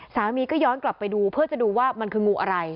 สามีก็ย้อนกลับไปดูเพื่อจะดูว่ามันคืองูอะไร